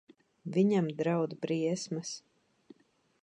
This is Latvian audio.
Viņam draud briesmas.